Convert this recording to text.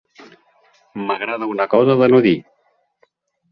M'agrada una cosa de no dir.